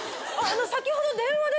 先ほど電話で。